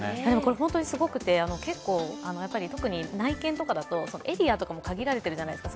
本当にすごくて、特に内見とかだとエリアとかも限られているじゃないですか。